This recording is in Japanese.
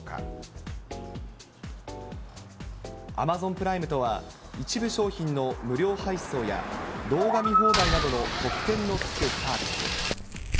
プライムとは、一部商品の無料配送や、動画見放題などの特典のつくサービス。